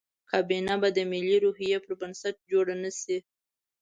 کابینه به د ملي روحیې پر بنسټ جوړه نه شي.